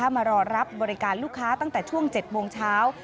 มารอรับบริการลูกค้าตั้งแต่ช่วง๗โมงเช้า